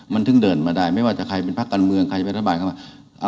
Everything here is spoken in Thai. มันถึงเดินมาได้ก็ไม่ว่าใครเป็นภาครกรรมเมืองใครขึ้นรัฐบาลมา